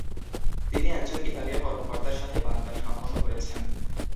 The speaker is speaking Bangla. তিনি একজন ইতালীয় কর্মকর্তার সাথে বাগদান সম্পন্ন করেছেন।